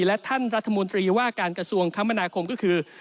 และท่านรัฐมนตรีว่าการกระทรวงคมนาคมก็คือ